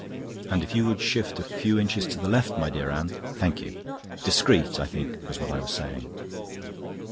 "And if you would shift a few inches to the left, my dear Anne...Thank you. Discrete, I think, was what I was saying."